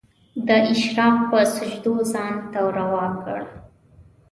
د اشراق په سجدو ځان ته روا کړ